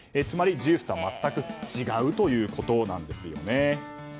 つまりジュースとは全く違うということなんですよね。